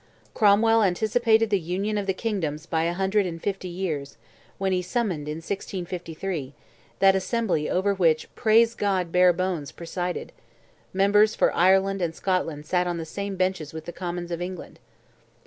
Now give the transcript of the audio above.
Cromwell anticipated the union of the kingdoms by a hundred and fifty years, when he summoned, in 1653, that assembly over which "Praise God Barebones" presided; members for Ireland and Scotland sat on the same benches with the commons of England.